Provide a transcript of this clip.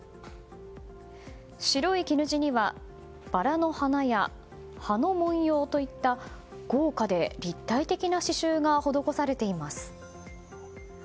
白い絹地にはバラの花や葉の文様といった豪華で立体的な刺しゅうが施されています。